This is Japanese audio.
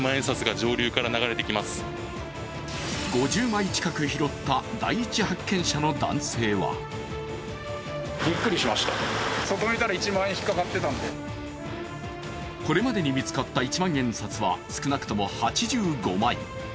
５０枚近く拾った第一発見者の男性はこれまでに見つかった一万円札は少なくとも８５枚。